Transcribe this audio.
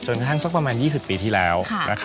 กระทั่งสักประมาณ๒๐ปีที่แล้ว